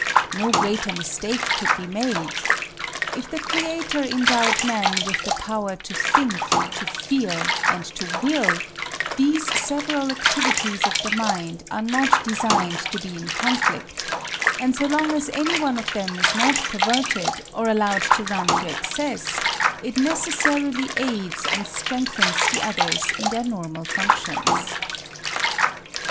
No greater mistake could be made. If the Creator endowed man with the power to think, to feel, and to will, these several activities of the mind are not designed to be in conflict, and so long as any one of them is not perverted or allowed to run to excess, it necessarily aids and strengthens the others in their normal functions.